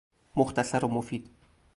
مختصر و مفید